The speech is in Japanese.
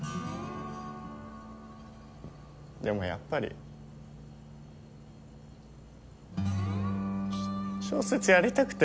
でもやっぱりしょ小説やりたくて。